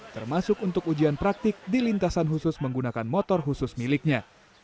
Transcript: termasuk untuk ujian praktik di lintasan khusus menggunakan motor khusus miliknya